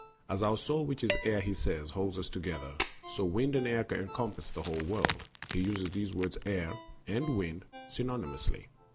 As our soul which is air, he says, holds us together, so wind [i.e. breath, wvedwa] and air encompass the whole world. He uses these words 'air' and 'wind' synonymously.